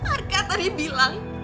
arka tadi bilang